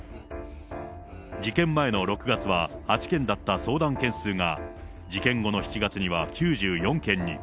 事件前の６月は８件だった相談件数が、事件後の７月には９４件に。